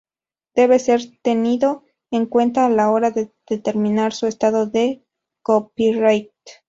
Debe ser tenido en cuenta a la hora de determinar su estado de copyright.